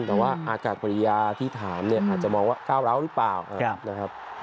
แต่ว่าอากาศปริยาที่ถามเนี่ยอาจจะมองว่าก้าวร้าวหรือเปล่านะครับ